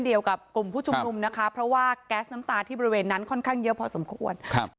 เดี๋ยวจะรายงานกลับไปอีกครั้งหนึ่งครับ